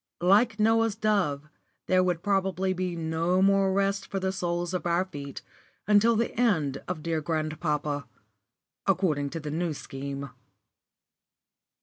Like Noah's dove, there would probably be no more rest for the soles of our feet until the end of dear grandpapa according to the New Scheme.